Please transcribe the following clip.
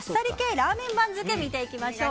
ラーメン番付見ていきましょう。